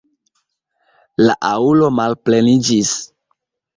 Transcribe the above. La aŭlo malpleniĝis.